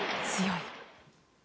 強い。